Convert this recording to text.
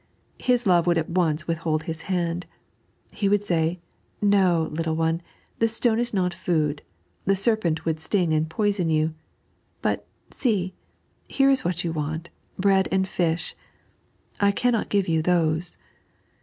His love would at once withhold his hand. He would say :" No, little one, the stone is not food ; the serpent would sting and poison you : but, see, here is what you want — bread and fish. I cannot give you those."